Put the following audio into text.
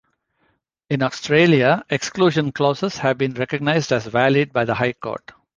In Australia, exclusion clauses have been recognised as valid by the High Court.